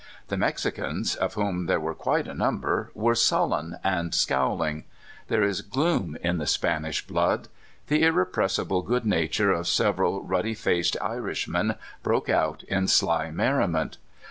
The Mexicans, of whom there were quite a number, were sullen and scowling. There is gloom in the Spanish blood. The irrepressible SAN QU^NTIN. 17I good nature of several rudd3' faced Irishmen broke out in sly merriment.